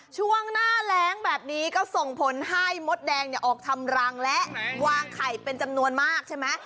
ช่วงหน้าแรงแบบนี้ก็ส่งผลให้มดแดงเนี่ยออกทำรังและวางไข่เป็นจำนวนมากใช่ไหม